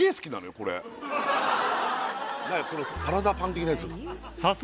これ何これサラダパン的なやつ？